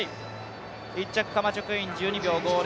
１着カマチョクイン、１２秒５０。